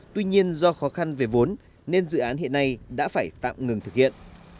tuy nhiên do khó khăn về vốn nên dự án hiện nay đã phải tạm ngừng thực hiện